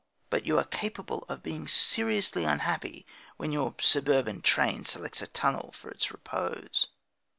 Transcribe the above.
But you are capable of being seriously unhappy when your suburban train selects a tunnel for its repose!